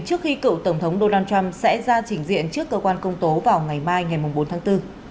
trước khi cựu tổng thống donald trump sẽ ra trình diện trước cơ quan công tố vào ngày mai ngày bốn tháng bốn